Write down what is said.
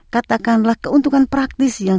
katakanlah keuntungan praktis yang